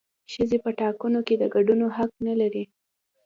ښځې په ټاکنو کې د ګډون حق نه لري